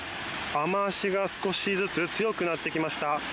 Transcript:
雨脚が少しずつ強くなってきました。